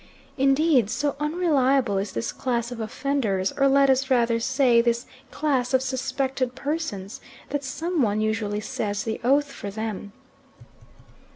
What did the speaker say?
Indeed, so unreliable is this class of offenders, or let us rather say this class of suspected persons, that some one usually says the oath for them.